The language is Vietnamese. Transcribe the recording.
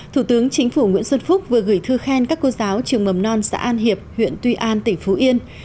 thủ tướng chính phủ nguyễn xuân phúc vừa gửi thư khen các cô giáo trường mầm non xã an hiệp huyện tuy an tỉnh phú yên